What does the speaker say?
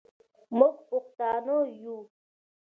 موږ پښتانه یو.